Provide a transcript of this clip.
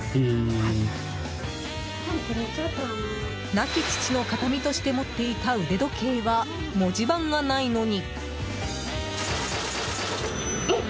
亡き父の形見として持っていた腕時計は文字盤がないのに。